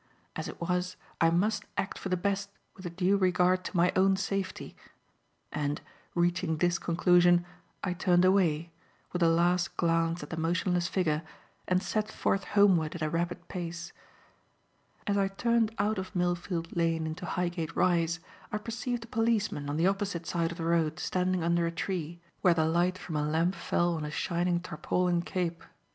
As it was, I must act for the best with a due regard to my own safety. And, reaching this conclusion, I turned away, with a last glance at the motionless figure and set forth homeward at a rapid pace. As I turned out of Millfield Lane into Highgate Rise I perceived a policeman on the opposite side of the road standing under a tree, where the light from a lamp fell on his shining tarpaulin cape.